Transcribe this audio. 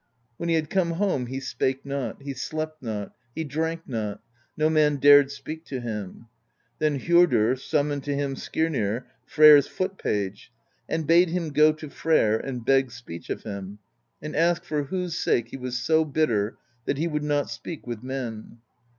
When he had come home, he spake not, he slept not, he drank not; no man dared speak to him. Then Njordr summoned to him Skirnir, Freyr's foot page, and bade him go to Freyr and beg speech of him and ask for whose sake he was so bitter that he would not speak with men.